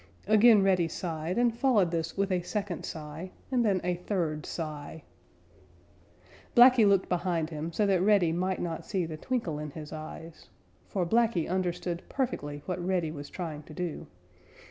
Again Reddy sighed, and followed this with a second sigh and then a third sigh. Blacky looked behind him so that Reddy might not see the twinkle in his eyes. For Blacky understood perfectly what Reddy was trying to do.